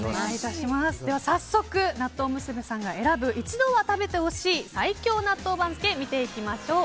では、早速なっとう娘さんが選ぶ一度は食べてほしい最強納豆番付を見ていきましょう。